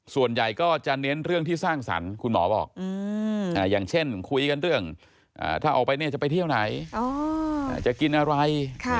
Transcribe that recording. ส่วนใหญ่ก็จะเน้นเรื่องที่สร้างสรรค์คุณหมอบอกอย่างเช่นคุยกันเรื่องถ้าออกไปเนี่ยจะไปเที่ยวไหนจะกินอะไร